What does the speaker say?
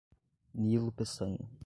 Nilo Peçanha